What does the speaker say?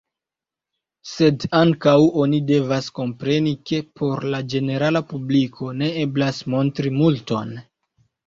Sed ankaŭ oni devas kompreni, ke por la ĝenerala publiko ne eblas montri multon.